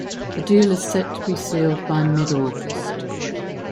The deal is set to be sealed by mid-August.